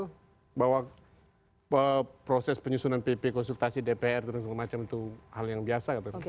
itu bahwa proses penyusunan pp konsultasi dpr dan segala macam itu hal yang biasa